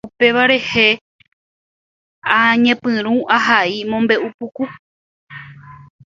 upéva rehe añepyrũ ahai mombe'upuku.